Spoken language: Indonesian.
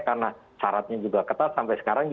karena syaratnya juga ketat sampai sekarang